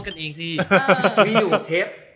พี่อยู่เทป